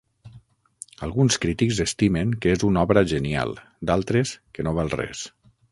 Alguns crítics estimen que és una obra genial: d'altres, que no val res.